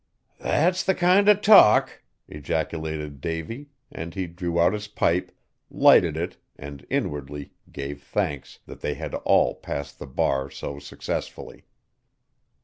"That's the kind o' talk!" ejaculated Davy, and he drew out his pipe, lighted it and inwardly gave thanks that they had all passed the bar so successfully.